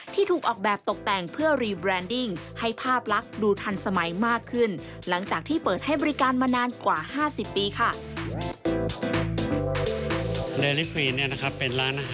ที่เปิดมาตั้งแต่